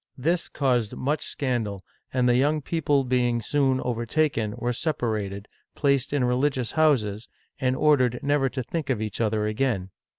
This caused much scandal, and the young people being soon overtaken, were separated, placed in religious houses, and ordered never to think of each other again.